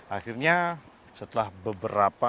akhirnya setelah beberapa